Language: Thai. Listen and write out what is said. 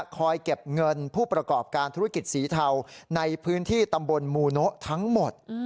เก็บเงินผู้ประกอบการธุรกิจสีเทาในพื้นที่ตำบลมูโนะทั้งหมด